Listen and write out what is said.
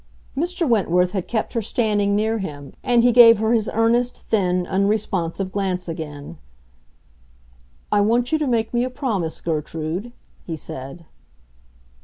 Mr. Wentworth had kept her standing near him, and he gave her his earnest, thin, unresponsive glance again. "I want you to make me a promise, Gertrude," he said.